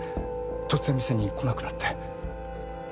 突然店に来なくなって。